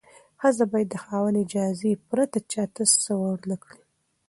ښځه باید د خاوند اجازې پرته چا ته څه ورنکړي.